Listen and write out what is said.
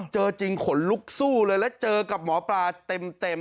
เจอจริงขนลุกสู้เลยแล้วเจอกับหมอปลาเต็ม